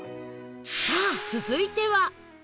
さあ続いては